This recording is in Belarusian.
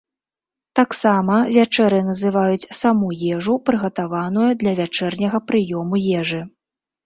Таксама вячэрай называюць саму ежу, прыгатаваную для вячэрняга прыёму ежы.